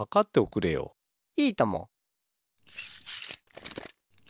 いいとも。